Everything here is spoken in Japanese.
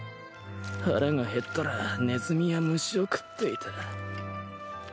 腹が減ったらネズミや虫を食っていた